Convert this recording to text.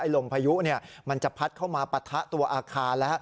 ไอ้ลมพายุมันจะพัดเข้ามาปัดทะตัวอาคาร